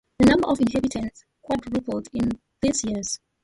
The number of inhabitants quadrupled in these years.